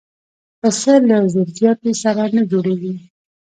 پسه له زور زیاتي سره نه جوړېږي.